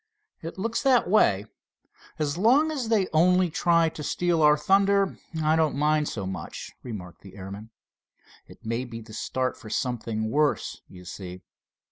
"It looks that way. As long as they only try to steal our thunder I don't so much mind," remarked the airman. "It may be the start for something worse, you see.